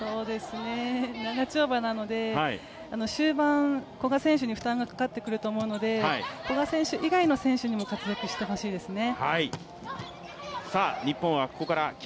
長丁場なので、終盤、古賀選手に負担がかかってくると思うので古賀選手以外の選手にも活躍してほしいですね。